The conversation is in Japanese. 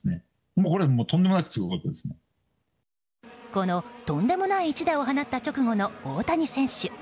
この、とんでもない一打を放った直後の大谷選手。